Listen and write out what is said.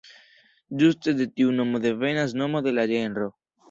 Ĝuste de tiu nomo devenas nomo de la ĝenro.